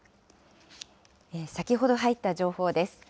先ほど入った情報です。